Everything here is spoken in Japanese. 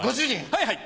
はいはい。